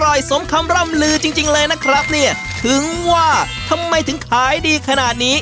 อร่อยสมคำร่ำลือจริงเลยนะครับถึงว่าทำไมถึงขายดีขนาดนี้